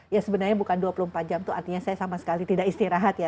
ya sebenarnya bukan dua puluh empat jam itu artinya saya sama sekali tidak istirahat ya